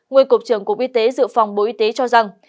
nguyên cục trưởng cục y tế dự phòng bộ y tế cho rằng